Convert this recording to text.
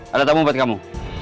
ada tamu buat kamu